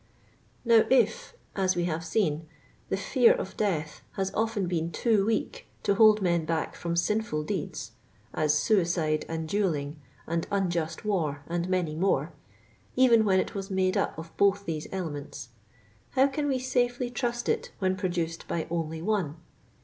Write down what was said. Now if, as we have seen, the fear of death has oflen been too weak to hold men back from sinful deeds, as suicide and duel ing and unjust war and many more, even when it was made up of both these elements, how can we safely trust it when pro duced by only one